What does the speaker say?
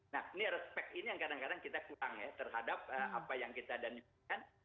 nah ini respect ini yang kadang kadang kita kurang ya terhadap apa yang kita dan inginkan